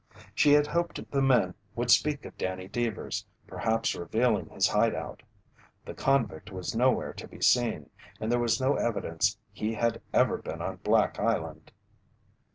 She had hoped the men would speak of Danny Deevers, perhaps revealing his hideout. The convict was nowhere to be seen, and there was no evidence he ever had been on Black Island.